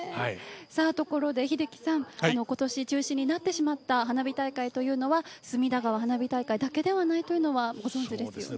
ところで英樹さん、今年中止になってしまった花火大会というのは隅田川花火大会だけではないというのはご存知ですね？